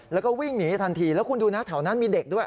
แล้วก็วิ่งหนีทันทีแล้วคุณดูนะแถวนั้นมีเด็กด้วย